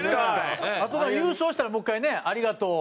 あとだから優勝したらもう１回ね「ありがとう」。